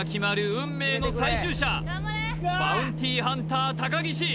運命の最終射バウンティハンター高岸